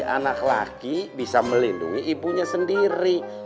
anak laki bisa melindungi ibunya sendiri